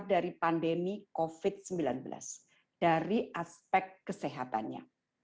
dari pandemi covid sembilan belas dari aspek kesehatannya